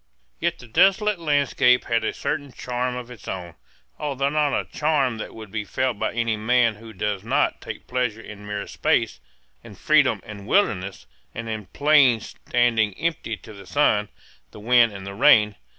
Yet the desolate landscape had a certain charm of its own, although not a charm that would be felt by any man who does not take pleasure in mere space, and freedom and wildness, and in plains standing empty to the sun, the wind, and the rain.